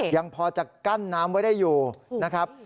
ยังพอจะกั้นน้ำไว้ได้อยู่นะครับ